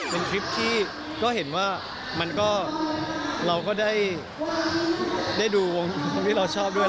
เป็นคลิปที่ก็เห็นว่ามันก็เราก็ได้ดูวงที่เราชอบด้วย